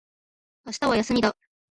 明日は休みだ